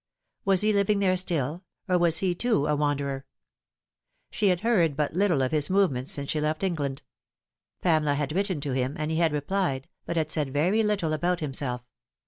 Was he living there still, or was he, too, a wanderer ? She had heard but little of his movements since she left England. Pamela had written to him, and he had replied, but had said very little about himself.